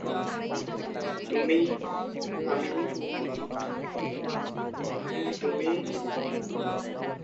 সিরিজটি প্রযোজনা করেছেন ওয়ার্নার ব্রস।